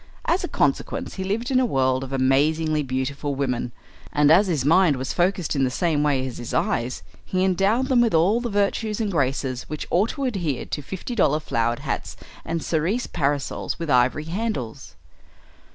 As a consequence he lived in a world of amazingly beautiful women. And as his mind was focused in the same way as his eyes he endowed them with all the virtues and graces which ought to adhere to fifty dollar flowered hats and cerise parasols with ivory handles.